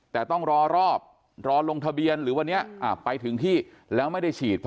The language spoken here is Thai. แต่ต้องรอรอบรอลงทะเบียนหรือวันนี้ไปถึงที่แล้วไม่ได้ฉีด